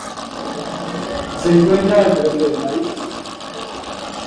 Se encuentra al sureste del país.